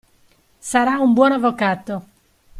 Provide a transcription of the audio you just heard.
Sarà un buon avvocato.